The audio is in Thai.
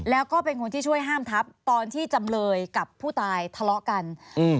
แล้วก็เป็นคนที่ช่วยห้ามทับตอนที่จำเลยกับผู้ตายทะเลาะกันอืม